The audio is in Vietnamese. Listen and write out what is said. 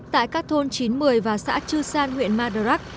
tại các thôn chín một mươi và xã chư san huyện ma đồng